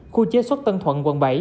khu chế xuất tân thuận quận bảy